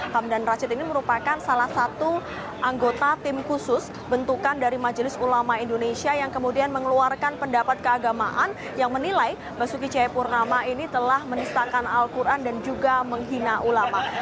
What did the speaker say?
hamdan rashid ini merupakan salah satu anggota tim khusus bentukan dari majelis ulama indonesia yang kemudian mengeluarkan pendapat keagamaan yang menilai basuki cahayapurnama ini telah menistakan al quran dan juga menghina ulama